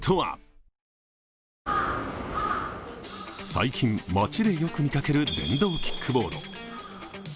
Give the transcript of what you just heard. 最近、街でよく見かける電動キックボード。